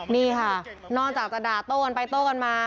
นี่ค่ะนอกจากจะด่าโต้กันไปโต้กันมา